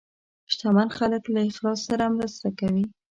شتمن خلک له اخلاص سره مرسته کوي.